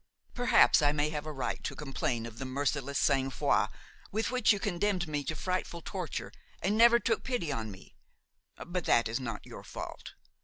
Perhaps I may have a right to complain of the merciless sang froid with which you condemned me to frightful torture and never took pity on me; but that was not your fault.